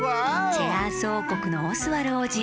チェアースおうこくのオスワルおうじ。